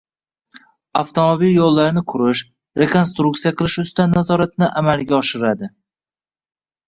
avtomobil yo‘llarini qurish, rekonstruksiya qilish ustidan nazoratni amalga oshiradi